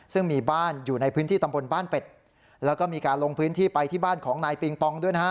ซึ่งมีบ้านอยู่ในพื้นที่ตำบลบ้านเป็ดแล้วก็มีการลงพื้นที่ไปที่บ้านของนายปิงปองด้วยนะฮะ